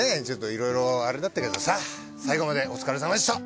色々あれだったけどさ最後までお疲れさまでした。